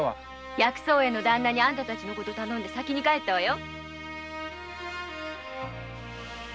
薬草園のダンナにあんたたちのことを頼んで先に帰ったわよ。